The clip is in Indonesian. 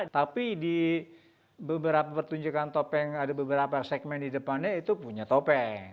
tapi di beberapa pertunjukan topeng ada beberapa segmen di depannya itu punya topeng